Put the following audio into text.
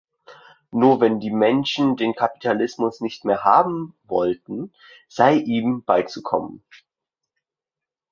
Nur wenn die Menschen den Kapitalismus nicht mehr haben wollten, sei ihm beizukommen.